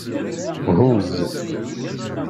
Huzz.